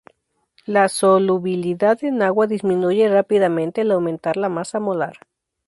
La solubilidad en agua disminuye rápidamente al aumentar la masa molar.